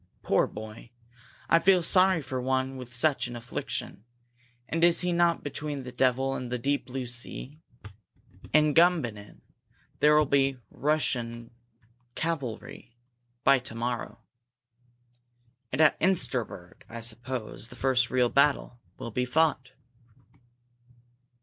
"Poor boy! I feel sorry for one with such an affliction! And is he not between the devil and the deep blue sea? In Gumbinnen there will be Russian cavalry by to morrow and at Insterberg, I suppose, the first real battle will be fought!"